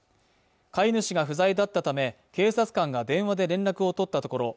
飼い主が不在だったため警察官が電話で連絡を取ったところ